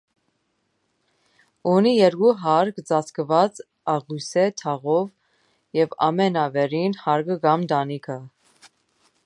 Ունի երկու հարկ՝ ծածկված աղյուսե թաղով և ամենավերին հարկը կամ տանիքը։